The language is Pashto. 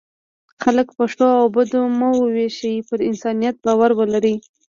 خلک په ښو او بدو مه وویشئ، پر انسانیت باور ولرئ.